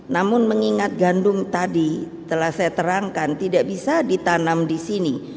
namun mengingat gandum tadi telah saya terangkan tidak bisa ditanam di sini